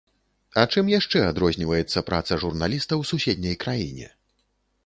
А чым яшчэ адрозніваецца праца журналіста ў суседняй краіне?